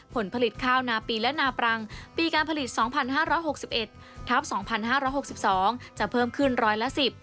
ผลผลิตข้าวนาปีและนาปรังปีการผลิต๒๕๖๑ทัพ๒๕๖๒จะเพิ่มขึ้นร้อยละ๑๐